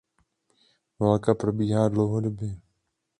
Válka probíhá dlouhodobě.